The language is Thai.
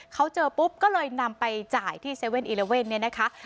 เขาเจอปุ๊บก็เลยนำไปจ่ายที่๗๑๑เนี่ยนะคะ